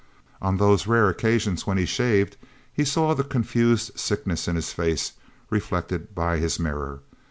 On those rare occasions when he shaved, he saw the confused sickness in his face, reflected by his mirror.